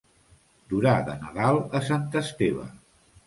Durar de Nadal a Sant Esteve.